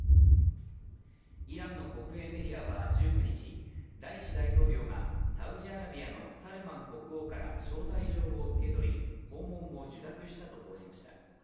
イランの国営メディアは１９日、ライシ大統領が、サウジアラビアのサルマン国王から招待状を受け取り、訪問を受諾したと報じました。